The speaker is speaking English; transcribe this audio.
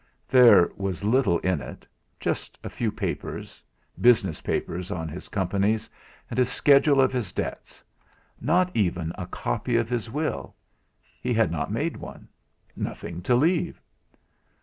There was little in it Just a few papers, business papers on his Companies, and a schedule of his debts; not even a copy of his will he had not made one, nothing to leave!